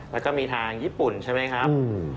แล้วก็มีทางญี่ปุ่นใช่ไหมครับ